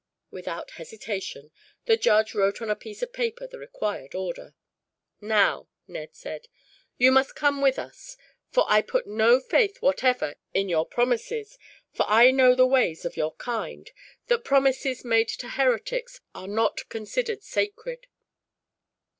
Without hesitation, the judge wrote on a piece of paper the required order. "Now," Ned said, "you must come with us; for I put no faith, whatever, in your promises; for I know the ways of your kind, that promises made to heretics are not considered sacred.